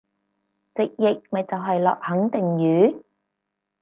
直譯咪就係落肯定雨？